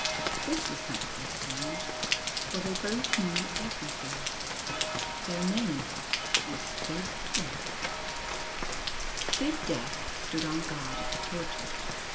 This was not so strange, for they both knew everything. Their name was Fid Def. Fid Def stood on guard at the Portal.